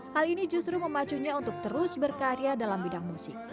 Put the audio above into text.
hal ini justru memacunya untuk terus berkarya dalam bidang musik